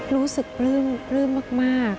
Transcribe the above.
รู้สึกรื่มมาก